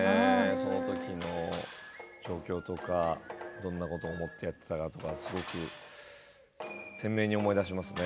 その時の状況とかどんなことを思ってやっていたかとか、すごく鮮明に思い出しますね。